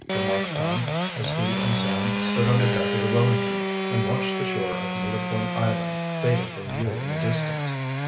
remarked Tom, as he and Sam stood on the deck of the Wellington and watched the shore of Needle Point Island fading from view in the distance.